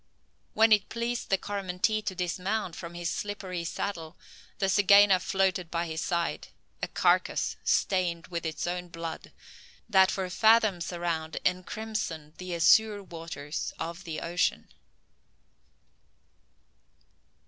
When it pleased the Coromantee to dismount from his slippery saddle, the zygaena floated by his side, a carcass stained with its own blood, that for fathoms around encrimsoned the azure waters of the ocean!